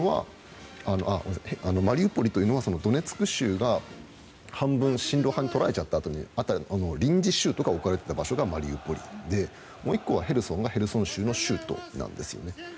マリウポリというのはドネツク州が半分、親露派に取られてしまったと臨時州が置かれていた場所がマリウポリでもう１個はヘルソンがヘルソン州の州都なんですね。